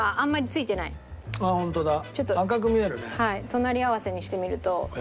隣り合わせにしてみると。